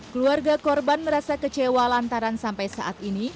keluarga korban merasa kecewa lantaran sampai saat ini